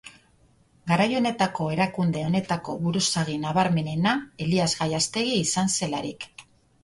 Garai honetako erakunde honetako buruzagi nabarmenena, Elias Gallastegi izan zelarik.